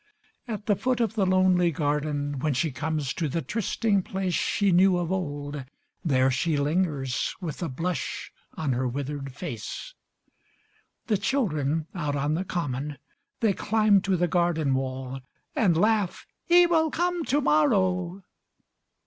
At the foot of the lonely garden, When she comes to the trysting place She knew of old, there she lingers, With a blush on her withered face. The children out on the common: They climb to the garden wall; And laugh: "He will come to morrow!"